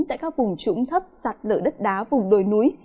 tại các vùng trũng thấp sạt lở đất đá vùng đồi núi